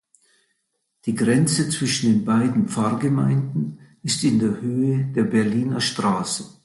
Die Grenze zwischen den beiden Pfarrgemeinden ist in der Höhe der Berliner Straße.